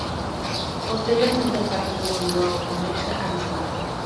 Posteriormente el partido volvió a oponerse a Bismarck.